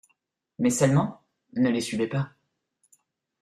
Mais seulement ne les suivez pas.